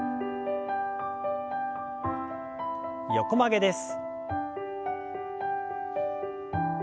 横曲げです。